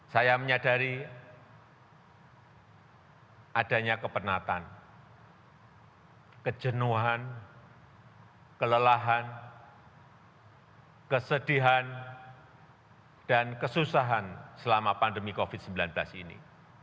saya menyadari adanya kepenatan kejenuhan kelelahan kesedihan dan kesusahan selama pandemi covid sembilan belas ini